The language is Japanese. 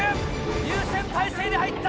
入線態勢に入った。